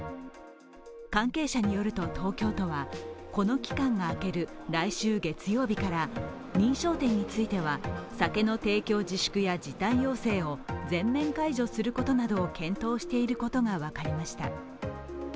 関係者によると東京都はこの期間が明ける来週月曜日から認証店については酒の提供自粛や時短要請を全面解除することなどを検討していることが分かりました。